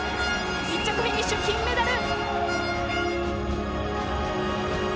１着フィニッシュ、金メダル！